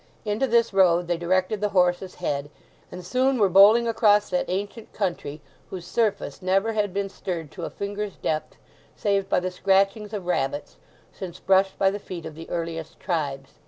Into this road they directed the horse's head, and soon were bowling across that ancient country whose surface never had been stirred to a finger's depth, save by the scratchings of rabbits, since brushed by the feet of the earliest tribes.